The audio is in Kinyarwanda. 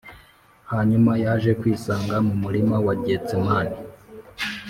hanyuma yaje kwisanga mu murima wa getsemani